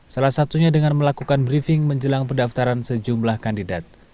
salah satunya dengan melakukan briefing menjelang pendaftaran sejumlah kandidat